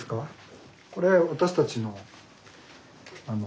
これ私たちのあの。